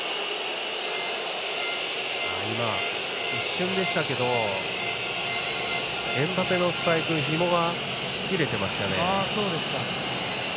今、一瞬でしたけどエムバペのスパイクのひもが切れてましたね。